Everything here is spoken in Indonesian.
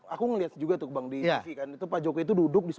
aku lihat juga tu bang di tv kan